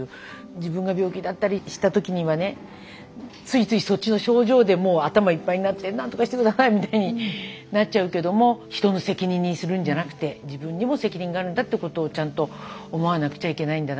自分が病気だったりした時にはねついついそっちの症状でもう頭いっぱいになって「何とかして下さい」みたいになっちゃうけども人の責任にするんじゃなくて自分にも責任があるんだってことをちゃんと思わなくちゃいけないんだな。